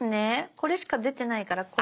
これしか出てないからこれ。